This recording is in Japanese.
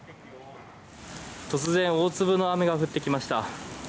突然大粒の雨が降ってきました。